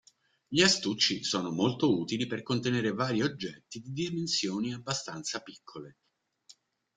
Gli astucci sono molto utili per contenere vari oggetti di dimensioni abbastanza piccole.